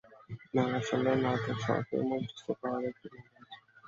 না, আসলে নাটক সরাসরি মঞ্চস্থ করার একটা মজা আছে।